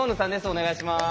お願いします。